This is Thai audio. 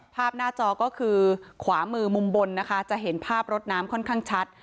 ภาพหน้าจอก็คือขวามือมุมบนนะคะจะเห็นภาพรถน้ำค่อนข้างชัด